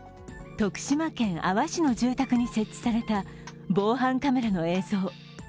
徳島県阿波市の住宅に設置された防犯カメラの映像。